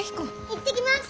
行ってきます。